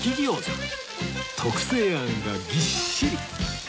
特製あんがぎっしり